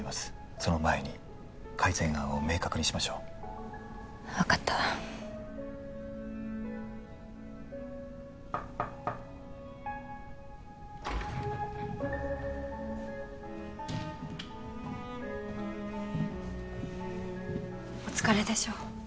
その前に改善案を明確にしましょう分かったお疲れでしょう